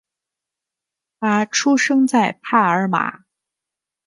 他出生在帕尔马。